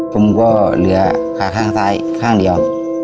ผมก็เหลือขาข้างซ้ายข้างเดียว